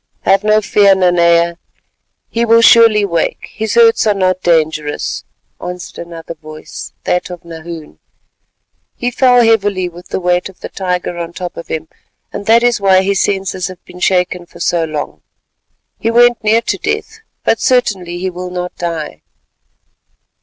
"Have no fear, Nanea, he will surely wake, his hurts are not dangerous," answered another voice, that of Nahoon. "He fell heavily with the weight of the tiger on top of him, and that is why his senses have been shaken for so long. He went near to death, but certainly he will not die."